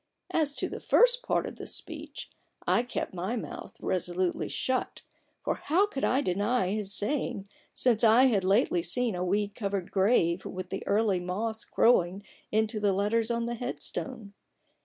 " As to the first part of this speech I kept my mouth resolutely shut ; for how could I deny his saying, since I had lately seen a weed covered grave with the early moss growing into the letters on the headstone